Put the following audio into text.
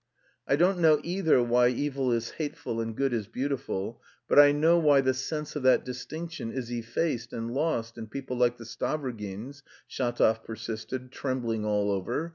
"I don't know either why evil is hateful and good is beautiful, but I know why the sense of that distinction is effaced and lost in people like the Stavrogins," Shatov persisted, trembling all over.